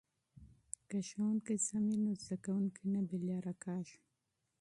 که ښوونکی وي نو زده کوونکي بې لارې نه کیږي.